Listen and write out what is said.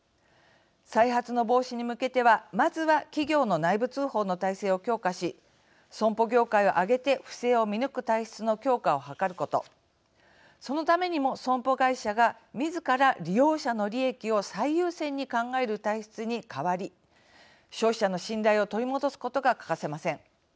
再発の防止に向けてはまずは企業の内部通報の体制を強化しそして、損保業界を挙げて不正を見抜く体制の強化を測ることそのためにも損保会社がみずから利用者の利益を最優先に考える体質に変わり消費者の信頼を取り戻すことが欠かせません。